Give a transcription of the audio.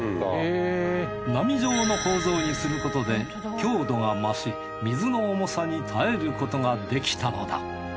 波状の構造にすることで強度が増し水の重さに耐えることができたのだ。